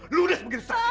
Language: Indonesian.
ludes begitu saksikan